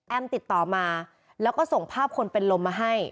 ติดต่อมาแล้วก็ส่งภาพคนเป็นลมมาให้